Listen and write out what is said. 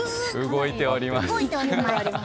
動いております。